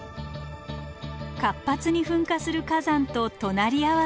活発に噴火する火山と隣り合わせの暮らし。